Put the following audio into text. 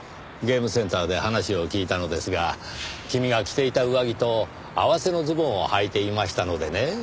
ゲームセンターで話を聞いたのですが君が着ていた上着と合わせのズボンをはいていましたのでね